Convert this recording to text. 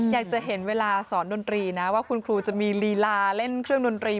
อยากจะเห็นเวลาสอนดนตรีนะว่าคุณครูจะมีลีลาเล่นเครื่องดนตรี